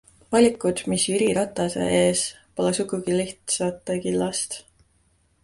Valikud, mis Jüri Ratase ees, pole sugugi lihtsate killast.